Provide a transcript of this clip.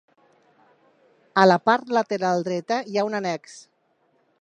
A la part lateral dreta hi ha un annex.